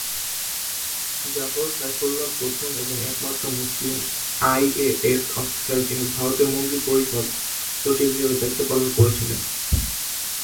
জাফর সাইফুল্লাহ প্রথম এবং একমাত্র মুসলিম আইএএস অফিসার যিনি ভারতের মন্ত্রিপরিষদ সচিব হিসাবে দায়িত্ব পালন করেছিলেন।